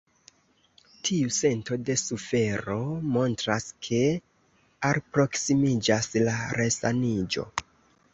Tiu sento de sufero montras, ke alproksimiĝas la resaniĝo.